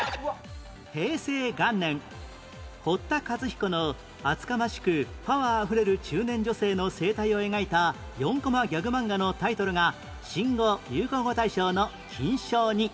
平成元年堀田かつひこの厚かましくパワーあふれる中年女性の生態を描いた４コマギャグ漫画のタイトルが新語・流行語大賞の金賞に